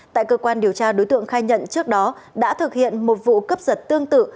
tại cơ quan điều tra đối tượng khai nhận trước đó đã thực hiện một vụ cướp giật tương tự